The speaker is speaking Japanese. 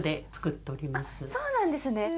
そうなんですね。